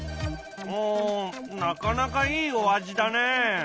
おなかなかいいお味だね。